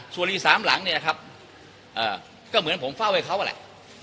รีสามหลังเนี่ยนะครับก็เหมือนผมเฝ้าให้เขาแหละ